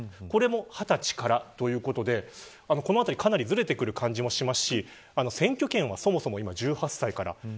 これも２０歳からということでこのあたり、かなりずれてくる感じもしますし選挙権は、そもそも１８歳から。